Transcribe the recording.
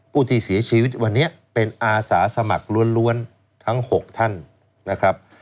ผู้ที่เสียชีวิตวันนี้เป็นอาสาสมัครล้วนทั้ง๖ท่านนะครับ